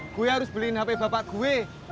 gue harus beliin hp bapak gue